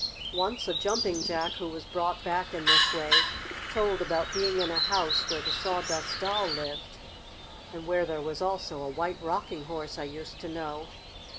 "Once a Jumping Jack who was brought back in this way told about being in a house where the Sawdust Doll lived, and where there was also a White Rocking Horse I used to know."